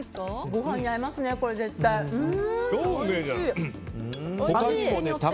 ご飯に合いますね、これ絶対。おいしい。